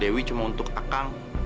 dewi cuma untuk akang